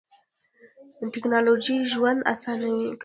تکنالوژي ژوند آسانه کوي.